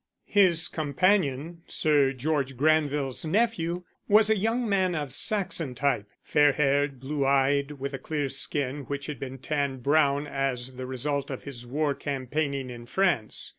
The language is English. His companion, Sir George Granville's nephew, was a young man of Saxon type, fair haired, blue eyed, with a clear skin which had been tanned brown as the result of his war campaigning in France.